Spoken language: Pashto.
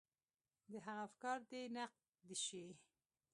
د هغه افکار دې نقد شي.